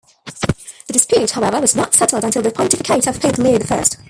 The dispute, however, was not settled until the pontificate of Pope Leo the First.